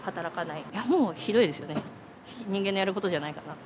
いやもう、ひどいですよね、人間のやることじゃないかなと。